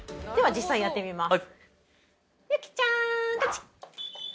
実際やってみます。